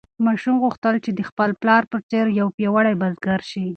ماشوم غوښتل چې د خپل پلار په څېر یو پیاوړی بزګر شي.